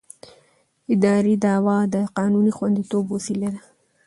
اداري دعوه د قانوني خوندیتوب وسیله ده.